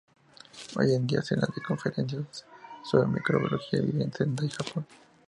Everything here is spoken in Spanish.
Hoy en día, Sena da conferencias sobre microbiología y vive en Sendai, Japón.